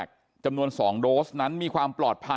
ก็คือเป็นการสร้างภูมิต้านทานหมู่ทั่วโลกด้วยค่ะ